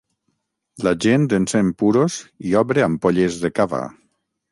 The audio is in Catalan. La gent encén puros i obre ampolles de cava.